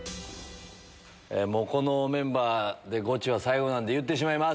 もうこのメンバーでゴチは最後なんで、言ってしまいます。